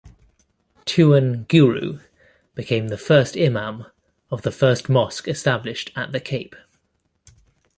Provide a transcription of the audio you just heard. Tuan Guru became the first imam of the first mosque established at the Cape.